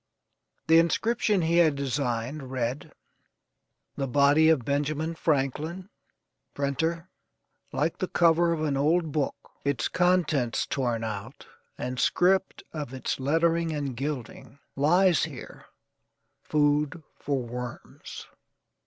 The inscription he had designed read: "The body of Benjamin Franklin, printer; Like the cover of an old book Its contents torn out, and script of its lettering and gilding: Lies here food for worms."